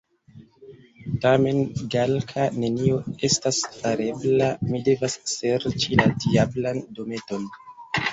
Tamen, Galka, nenio estas farebla, mi devas serĉi la diablan dometon!